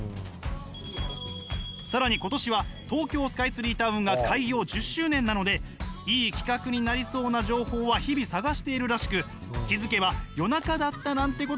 更に今年は東京スカイツリータウンが開業１０周年なのでいい企画になりそうな情報は日々探しているらしく気付けば夜中だったなんてこともあるんです。